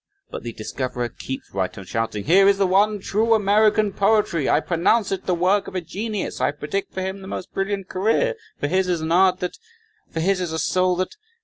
But the discoverer keeps right on shouting "Here is the one true American poetry, I pronounce it the work of a genius. I predict for him the most brilliant career for his is an art that... for his is a soul that